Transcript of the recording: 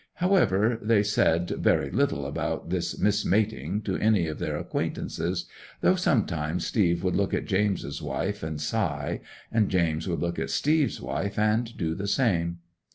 'However, they said very little about this mismating to any of their acquaintances, though sometimes Steve would look at James's wife and sigh, and James would look at Steve's wife and do the same.